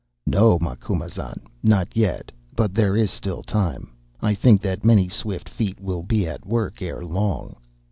"'No, Macumazahn, not yet, but there is still time. I think that many swift feet will be at work ere long.